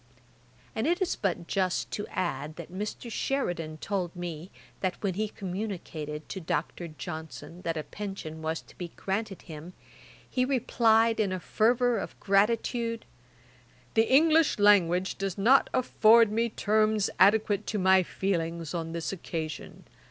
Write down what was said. And it is but just to add, that Mr. Sheridan told me, that when he communicated to Dr. Johnson that a pension was to be granted him, he replied in a fervour of gratitude, 'The English language does not afford me terms adequate to my feelings on this occasion.